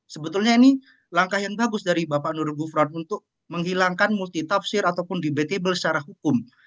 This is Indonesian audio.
sebetulnya ini langkah yang bagus dari bapak nur gufron untuk menghilangkan multitafsir ataupun debatable secara hukum